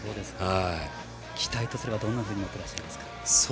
期待とすればどんなふうに持ってらっしゃいますか。